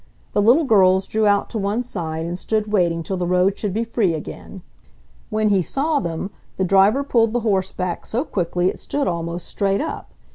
The little girls drew out to one side and stood waiting till the road should be free again. When he saw them the driver pulled the horse back so quickly it stood almost straight up.